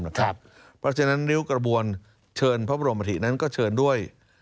เพราะฉะนั้นริ้วกระบวนเชิญพระบรมฐินั้นก็เชิญด้วย